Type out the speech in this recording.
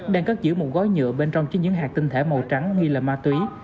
đang cất giữ một gói nhựa bên trong chứa những hạt tinh thể màu trắng nghi là ma túy